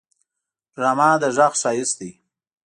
ډرامه د غږ ښايست دی